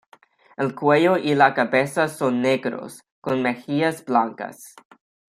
El cuello y la cabeza son negros, con mejillas blancas.